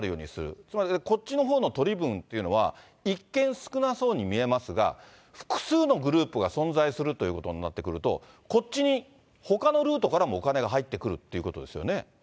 つまり、こっちのほうの取り分というのは、一見少なそうに見えますが、複数のグループが存在するということになってくると、こっちにほかのルートからもお金が入ってくるっていうことですよ